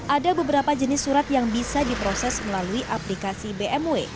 ada beberapa jenis surat yang bisa diproses melalui aplikasi bmw